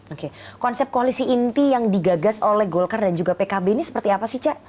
oke konsep koalisi inti yang digagas oleh golkar dan juga pkb ini seperti apa sih cak